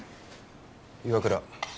岩倉。